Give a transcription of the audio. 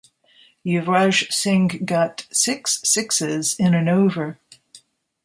Yuvraj Singh got six sixes in an over.